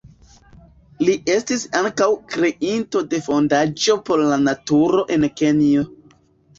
Li estis ankaŭ kreinto de fondaĵo por la naturo en Kenjo.